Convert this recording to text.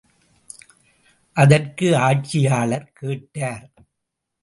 அதற்கு ஆட்சியாளர் கேட்டார்.